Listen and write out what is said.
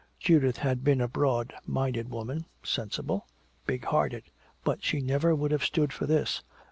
Judith had been a broad minded woman, sensible, big hearted. But she never would have stood for this.